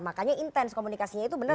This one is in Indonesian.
makanya intens komunikasinya itu benar